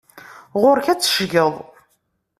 Ɣur-k ad teccgeḍ.